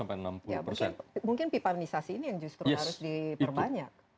mungkin pipanisasi ini yang justru harus diperbanyak